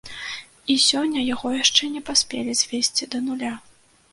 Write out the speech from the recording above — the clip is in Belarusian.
І сёння яго яшчэ не паспелі звесці да нуля.